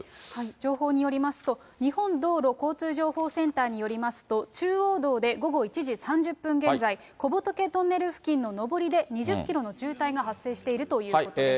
情報によりますと、日本道路交通情報センターによりますと、中央道で午後１時３０分現在、小仏トンネル付近の上りで２０キロの渋滞が発生しているということです。